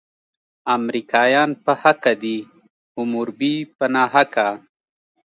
امریکایان په حقه دي، حموربي په ناحقه.